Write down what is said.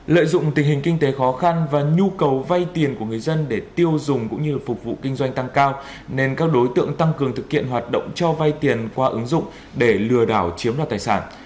lợi dụng tình hình kinh tế khó khăn và nhu cầu vay tiền của người dân để tiêu dùng cũng như phục vụ kinh doanh tăng cao nên các đối tượng tăng cường thực hiện hoạt động cho vay tiền qua ứng dụng để lừa đảo chiếm đoạt tài sản